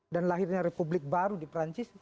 dan lahirnya republik baru di prancis